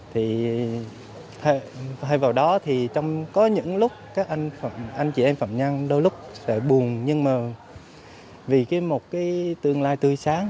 thì thay vào đó thì có những lúc các anh chị em phạm nhân đôi lúc sẽ buồn nhưng mà vì một cái tương lai tươi sáng